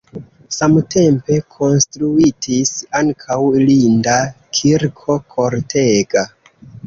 Samtempe konstruitis ankaŭ linda kirko kortega.